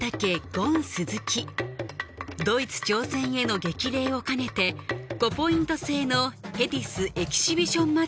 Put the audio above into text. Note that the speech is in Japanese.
ゴン鈴木ドイツ挑戦への激励をかねて５ポイント制のヘディスエキシビションマッチを開催